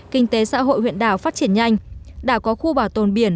kinh tế xã hội huyện đảo phát triển nhanh đảo có khu bảo tồn biển